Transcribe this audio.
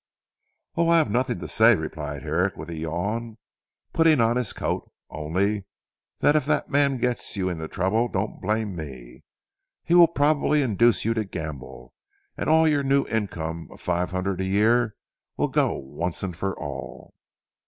"Oh, I have nothing to say," replied Herrick with a yawn, putting on his coat, "only, if that man gets you into trouble don't blame me. He will probably induce you to gamble and all your new income of five hundred a year will go once and for all."